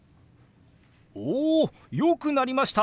およくなりました！